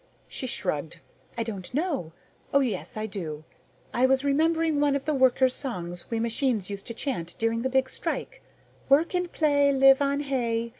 She shrugged. "I don't know oh, yes, I do. I was remembering one of the workers' songs we machines used to chant during the Big Strike "_Work and pray, Live on hay.